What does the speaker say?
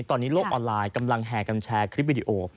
ตอนนี้โลกออนไลน์กำลังแห่กันแชร์คลิปวิดีโอ